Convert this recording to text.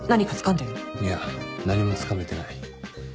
いや何もつかめてない。